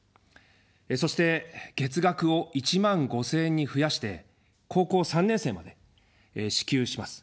そして、月額を１万５０００円に増やして高校３年生まで支給します。